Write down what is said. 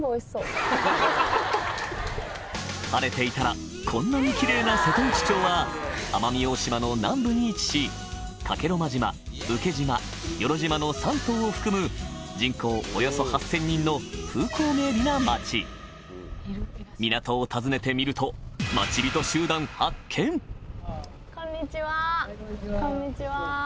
晴れていたらこんなにキレイな瀬戸内町は奄美大島の南部に位置し加計呂麻島請島与路島の３島を含む人口およそ８０００人の風光明媚な町港を訪ねてみるとこんにちは。